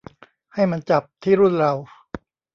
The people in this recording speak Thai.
ให้มันจับที่รุ่นเรา